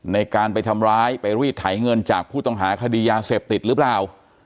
ในการไปทำร้ายไปรีดไถเงินจากผู้ต้องหาคดียาเสพติดหรือเปล่า